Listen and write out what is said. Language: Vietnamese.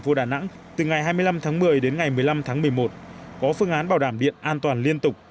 phố đà nẵng từ ngày hai mươi năm tháng một mươi đến ngày một mươi năm tháng một mươi một có phương án bảo đảm điện an toàn liên tục